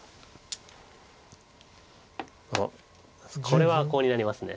これはコウになります。